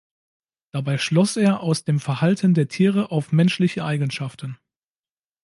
Dabei schloss er aus dem Verhalten der Tiere auf menschliche Eigenschaften.